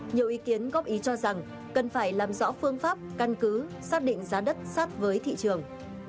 nhiều ý kiến góp ý cho rằng cần phải làm rõ phương pháp căn cứ xác định giá đất sát với thị trường